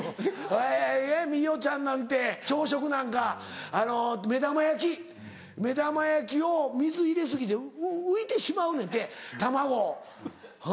え伊代ちゃんなんて朝食なんか目玉焼き目玉焼きを水入れ過ぎて浮いてしまうねんて卵おう。